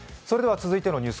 続いてのニュース